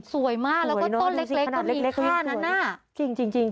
สวยมากแล้วก็ต้นเล็กก็มีท่านยั่นน่ะ